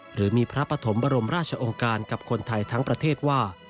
หรือมีพระปฐมบรมราชองค์การกับคนไทยทั้งประเทศว่า